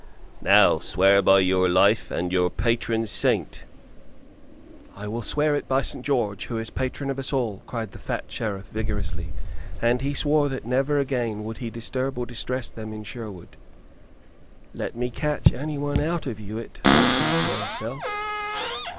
"Now, swear by your life and your patron saint " "I will swear it by St. George, who is patron of us all," cried the fat Sheriff, vigorously; and he swore that never again would he disturb or distress them in Sherwood. "Let me catch anyone of you out of it!" thought he to himself.